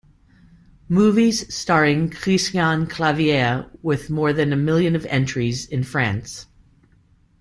Movies starring Christian Clavier with more than a million of entries in France.